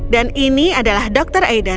dan ini adalah dr aidan